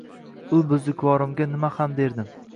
Ul buzrukvorimga nima ham derdim.